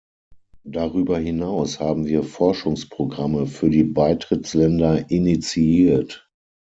Darüber hinaus haben wir Forschungsprogramme für die Beitrittsländer initiiert.